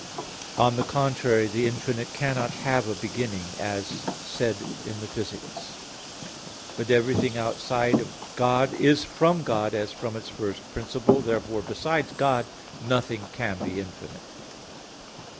On the contrary, The infinite cannot have a beginning, as said in Phys. iii. But everything outside God is from God as from its first principle. Therefore besides God nothing can be infinite.